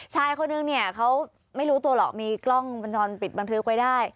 ชายคนนึงเนี่ยเขาไม่รู้ตัวหรอกมีกล้องวงจรปิดบันทึกไว้ได้